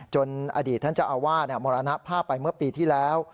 อดีตท่านเจ้าอาวาสมรณภาพไปเมื่อปีที่แล้ว